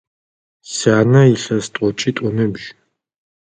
Сянэ илъэс тӏокӏитӏу ыныбжь.